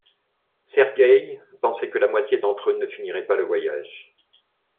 Sergeï pensait que la moitié d’entre eux ne finirait pas le voyage.